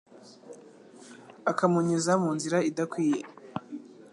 akamunyuza mu nzira idakwiye